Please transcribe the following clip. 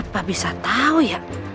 apa bisa tahu ya